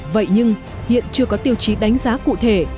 vậy nhưng hiện chưa có tiêu chí đánh giá cụ thể